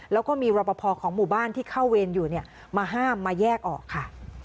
แล้วก็มีรอปภของหมู่บ้านที่เข้าเวรอยู่มาห้ามมาแยกออกค่ะ